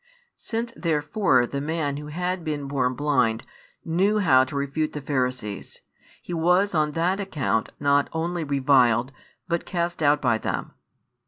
Since therefore the man who had been born blind knew how to refute the Pharisees, he was on that account not only reviled, but cast out by them.